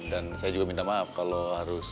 dan saya juga minta maaf kalau harus